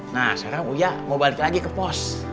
nah sekarang uya mau balik lagi ke pos